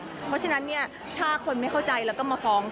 เพราะฉะนั้นเนี่ยถ้าคนไม่เข้าใจแล้วก็มาฟ้อง